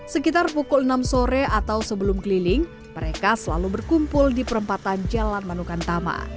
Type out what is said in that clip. sekitar pukul enam sore atau sebelum keliling mereka selalu berkumpul di perempatan jalan manukantama